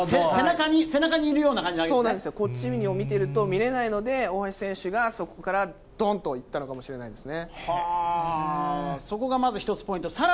背中にいるような感じなんでそうなんですよ、こっちを見てると見れないので、大橋選手がそこからどんといったのかもしれないですね。